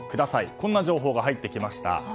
こんな情報が入ってきました。